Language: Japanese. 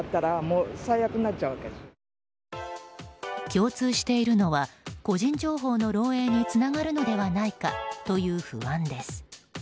共通しているのは個人情報の漏洩につながるのではないかという不安です。